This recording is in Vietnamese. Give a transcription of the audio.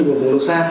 đến một vùng nước xa